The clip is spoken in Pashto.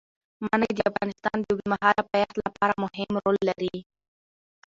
منی د افغانستان د اوږدمهاله پایښت لپاره مهم رول لري.